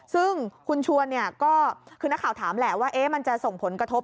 ซึ่งคุณชวนก็คือนักข่าวถามแหละว่ามันจะส่งผลกระทบ